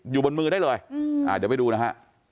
อยู่บนมือได้เลยเดี๋ยวไปดูนะฮะ